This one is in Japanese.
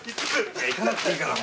いや行かなくていいから。